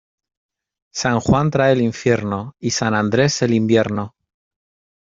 San Juan trae el infierno, y San Andrés el invierno.